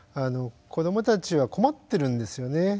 子どもたちは困ってるんですよね。